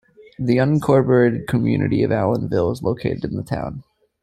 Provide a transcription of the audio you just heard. The unincorporated community of Allenville is located in the town.